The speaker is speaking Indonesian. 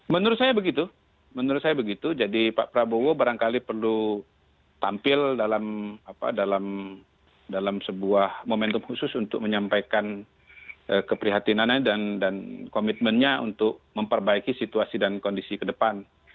menurut saya begitu menurut saya begitu jadi pak prabowo barangkali perlu tampil dalam sebuah momentum khusus untuk menyampaikan keprihatinannya dan komitmennya untuk memperbaiki situasi dan kondisi ke depan